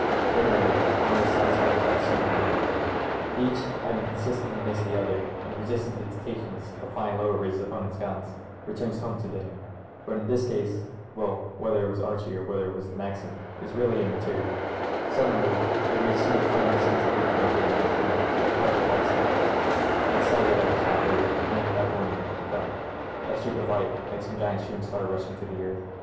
Generally honour is satisfied without the shedding of blood ; each, having consistently missed the other and resisted the temptations of Sying low over his opponents' guns, returns home to dinner. But in this case — ^well, whether it was Archie or whether it was the Maxim is really immaterial. Suddenly a great sheet of flame seemed to leap from the German machine and a puff of black smoke : it staggered like a shot bird and then, without warning, it fell — a streak of light, like some giant shooting star rushing to the earth.